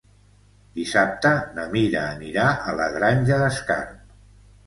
Dissabte na Mira anirà a la Granja d'Escarp.